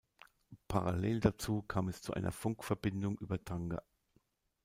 Parallel dazu kam es zu einer Funkverbindung über Tanger.